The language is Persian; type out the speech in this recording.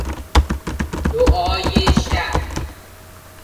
دعای شب